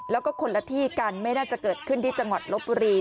แล้วก็คนละที่กันไม่น่าจะเกิดขึ้นที่จังหวัดลบบุรี